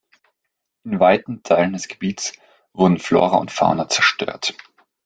In weiten Teile des Gebiets wurden Flora und Fauna zerstört.